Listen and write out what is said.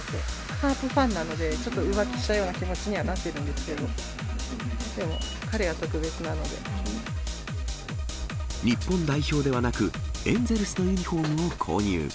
カープファンなので、ちょっと浮気したような気持ちにはなってるんですけど、でも、日本代表ではなく、エンゼルスのユニホームを購入。